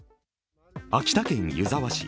秋田県湯沢市。